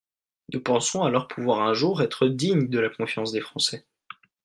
Nous pensons alors pouvoir un jour être dignes de la confiance des Français.